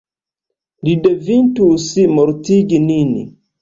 Li devintus mortigi nin.